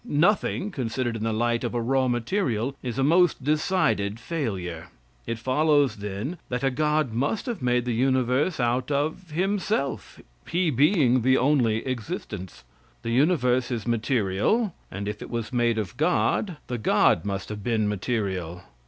Nothing, considered in the light of a raw material, is a most decided failure. It follows, then, that a god must have made the universe out of himself, he being the only existence. The universe is material, and if it was made of god, the god must have been material.